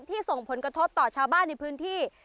ส่งผลกระทบต่อชาวบ้านในพื้นที่